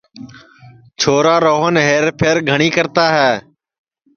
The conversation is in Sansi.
چھورا روہن ہئر پھئر گھٹؔی کرتا ہے